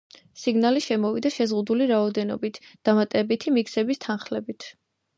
სინგლი გამოვიდა შეზღუდული რაოდენობით, დამატებითი მიქსების თანხლებით.